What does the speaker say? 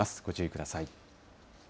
ご注意ください。